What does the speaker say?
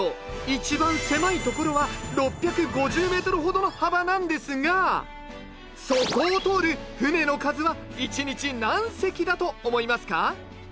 一番狭い所は６５０メートルほどの幅なんですがそこを通る船の数は１日何隻だと思いますか？